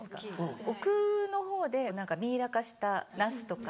奥の方で何かミイラ化したナスとか。